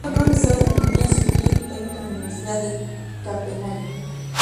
Fue profesor de anatomía, cirugía y botánica en la Universidad de Copenhague.